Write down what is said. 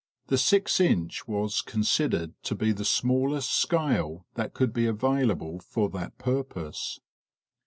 The six inch was considered to be the smallest scale that could be available for that purpose.